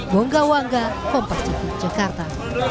bongga wangga kompaksiku jakarta